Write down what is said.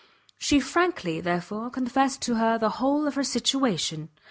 She frankly, therefore, confessed to her the whole of her situation.